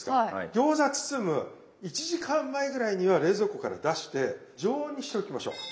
餃子包む１時間前ぐらいには冷蔵庫から出して常温にしておきましょう。